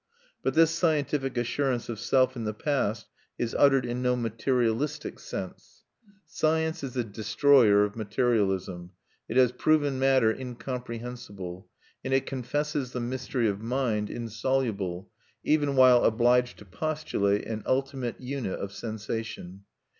But this scientific assurance of self in the past is uttered in no materialistic sense. Science is the destroyer of materialism: it has proven matter incomprehensible; and it confesses the mystery of mind insoluble, even while obliged to postulate an ultimate unit of sensation.